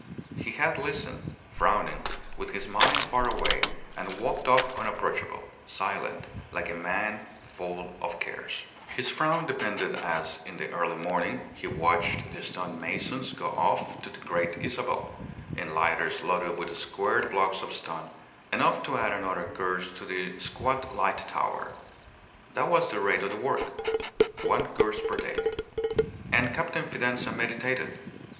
He had listened, frowning, with his mind far away, and walked off unapproachable, silent, like a man full of cares. His frown deepened as, in the early morning, he watched the stone masons go off to the Great Isabel, in lighters loaded with squared blocks of stone, enough to add another course to the squat light tower. That was the rate of the work. One course per day. And Captain Fidanza meditated.